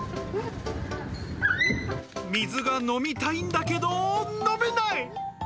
水が飲みたいんだけど飲めない。